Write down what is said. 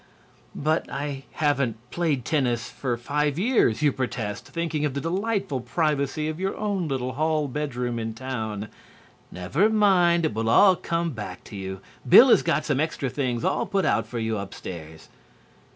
"But I haven't played tennis for five years," you protest, thinking of the delightful privacy of your own little hall bedroom in town. "Never mind, it will all come back to you. Bill has got some extra things all put out for you upstairs."